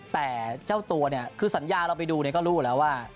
แต่เจ้าตัวเนี่ยคือสัญญาเราไปดูก็รู้แล้วว่า